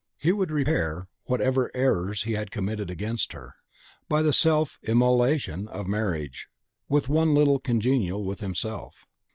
He would repair whatever errors he had committed against her, by the self immolation of marriage with one little congenial with himself.